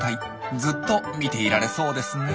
ずっと見ていられそうですねえ。